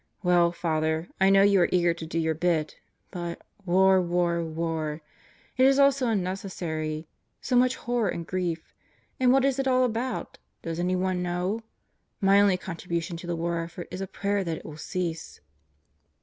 Well, Father, I know you are eager to do your bit, but war, war, war ... It is all so unnecessary. So much horror and grief and what is it all about? Does anyone know? My only contribution to the War Effort is a prayer that it will cease.